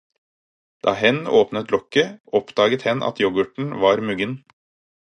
Da hen åpnet lokket, oppdaget hen at yoghurten var muggen.